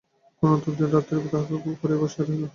করুণা তো দিন রাত্রি তাহাকে কোলে করিয়া বসিয়া রহিল।